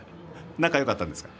仲はよかったんですか？